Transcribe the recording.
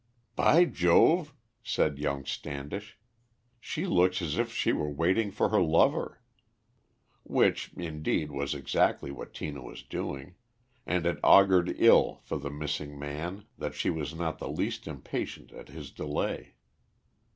"By Jove!" said young Standish, "she looks as if she were waiting for her lover." Which, indeed, was exactly what Tina was doing, and it augured ill for the missing man that she was not the least impatient at his delay.